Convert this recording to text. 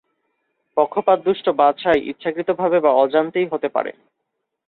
পক্ষপাতদুষ্ট বাছাই ইচ্ছাকৃতভাবে বা অজান্তেই হতে পারে।